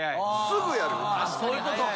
そういうことか。